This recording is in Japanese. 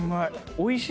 おいしい。